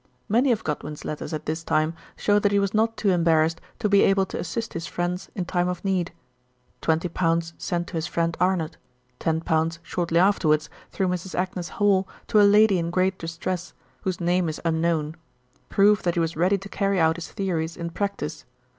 Many of Godwin's letters at this time show that he was not too embarrassed to be able to assist his friends in time of need ; twenty pounds sent to his friend Arnot, ten pounds shortly afterwards through Mrs. Agnes Hall to a lady in great distress, whose name is unknown, prove that he was ready to carry out his theories in practice.